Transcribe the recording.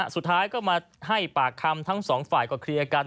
สุดท้ายก็มาให้ปากคำทั้งสองฝ่ายก็เคลียร์กัน